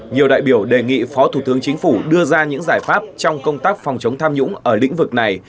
nhiều đại biểu đề nghị phó thủ tướng chính phủ đưa ra những giải pháp trong công tác phòng chống tham nhũng ở lĩnh vực này